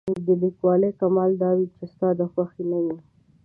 د لیکوالۍ کمال دا وي چې ستا د خوښې نه وي.